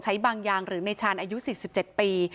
ใช้บางอย่างหรือในชานอายุ๔๗ปี